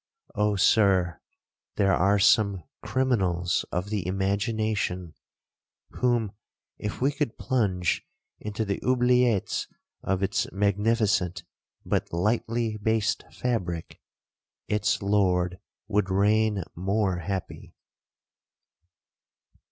Oh, Sir, there are some criminals of the imagination, whom if we could plunge into the oubliettes of its magnificent but lightly based fabric, its lord would reign more happy.